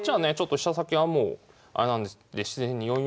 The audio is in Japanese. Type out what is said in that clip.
飛車先はもうあれなんで自然に４四歩と突くんですけど。